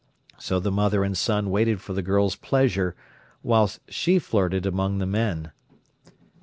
So the mother and son waited for the girl's pleasure, whilst she flirted among the men.